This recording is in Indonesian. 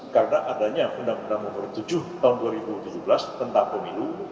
karena adanya undang undang nomor tujuh tahun dua ribu tujuh belas tentang pemilu